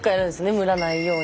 ムラないように。